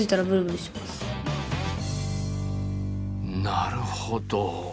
なるほど！